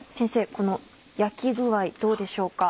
この焼き具合どうでしょうか？